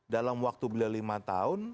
dalam waktu beliau lima tahun